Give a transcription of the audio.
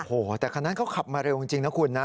โอ้โหแต่คันนั้นเขาขับมาเร็วจริงนะคุณนะ